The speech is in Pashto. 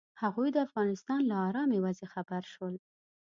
هغوی د افغانستان له ارامې وضعې خبر شول.